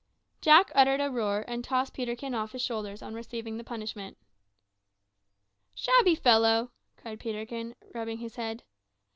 Jack uttered a roar, and tossed Peterkin off his shoulders, on receiving the punishment. "Shabby fellow!" cried Peterkin, rubbing his head.